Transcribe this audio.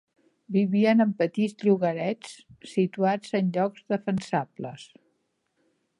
Vivien en petits llogarets, situats en llocs defensables.